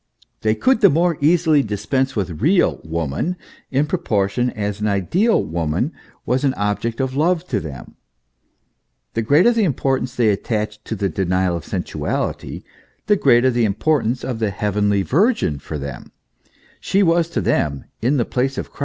They could the more easily dispense with real woman, in proportion as an ideal woman was an object of love to them. The greater the importance they attached to the denial of sensuality, the greater the import ance of the Heavenly Virgin for them : she was to them in the place of Christ, in the stead of God.